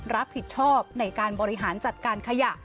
รับผิดชอบในการบริหารจัดการขยะ